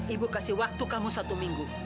ibu kasih waktu kamu satu minggu